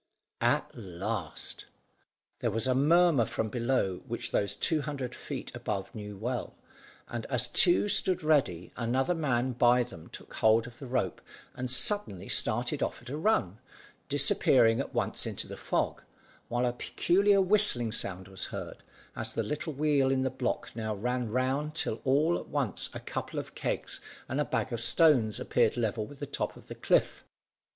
At last. There was a murmur from below which those two hundred feet above knew well, and as two stood ready, another man by them took hold of the rope, and suddenly started off at a run, disappearing at once in the fog, while a peculiar whizzing sound was heard, as the little wheel in the block now ran round till all at once a couple of kegs and the bag of stones appeared level with the top of the cliff.